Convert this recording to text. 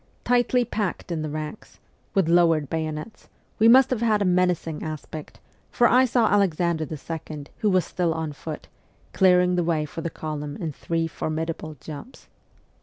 Tightly packed in the ranks, with lowered bayonets, we must have had a menacing aspect, for I saw Alexander II. who was still on foot, clearing the way for the column in three formidable jumps.